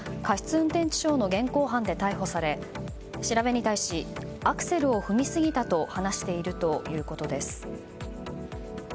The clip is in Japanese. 運転致傷の現行犯で逮捕され調べに対しアクセルを踏みすぎたと話しているということです。